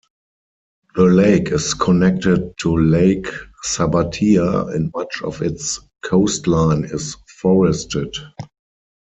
The lake is connected to Lake Sabbatia and much of its coastline is forested.